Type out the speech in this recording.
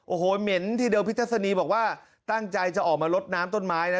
โอ้โหเหม็นที่เดลพิทัศนีบอกว่าตั้งใจจะออกมาลดน้ำต้นไม้นะ